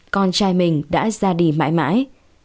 con trai mình đã ra đi mãi mãi